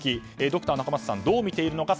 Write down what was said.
ドクター・中松さんどう見ているのか